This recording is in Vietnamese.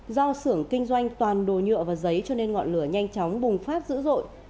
do xưởng kinh doanh toàn đồ nhựa và giấy cho nên ngọn lửa nhanh chóng bùng phát dữ dội